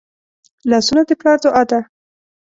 لاسونه د پلار دعا ده